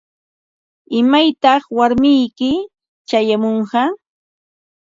¿Imaytaq warmiyki chayamunqa?